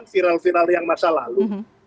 ini kan viral yang masa lalu